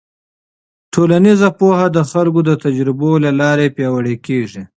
ټولنیز پوهه د خلکو د تجربو له لارې پیاوړې کېږي.